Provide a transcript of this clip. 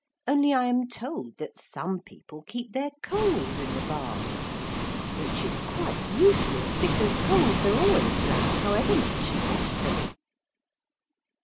(Only I am told that some people keep their coals in the baths which is quite useless because coals are always black however much you wash them.)